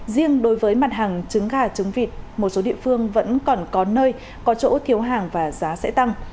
riêng đối với mặt hàng trứng gà trứng vịt một số địa phương vẫn còn có nơi có chỗ thiếu hàng và giá sẽ tăng